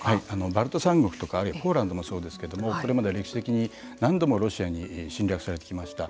バルト三国とかあるいはポーランドもそうですけれどもこれまで歴史的に何度もロシアに侵略されてきました。